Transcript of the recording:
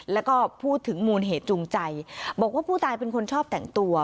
แล้วก็พูดถึงมูลเหตุจูงใจบอกว่าผู้ตายเป็นคนชอบแต่งตัว